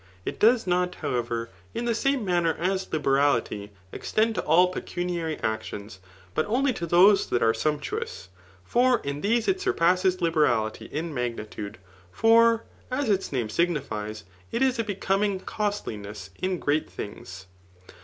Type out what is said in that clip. It does not, however, in the same manner as liberality, extend to all pecuniary actions, but only to those that are sump* tuotis. But in these it surpasses Mberality in magnitufc ; £c>r, as itt name signifies, it is a beconung costliness in great things.